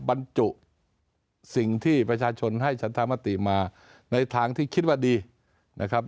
บรรจุสิ่งที่ประชาชนให้ฉันธรรมติมาในทางที่คิดว่าดีนะครับ